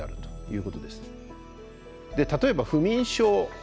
例えば不眠症。